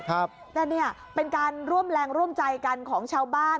แต่เนี่ยเป็นการร่วมแรงร่วมใจกันของชาวบ้าน